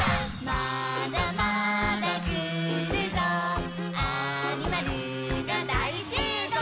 「まだまだくるぞアニマルがだいしゅうごう！」